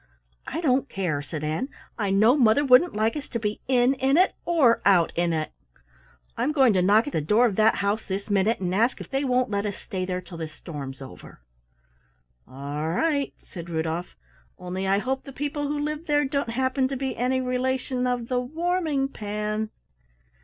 "I don't care," said Ann. "I know mother wouldn't like us to be in in it or out in it. I'm going to knock at the door of that house this minute and ask if they won't let us stay there till the storm's over." "All right," said Rudolf, "only I hope the people who live there don't happen to be any relation of the Warming pan."